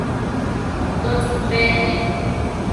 ¿atótsi pec ne?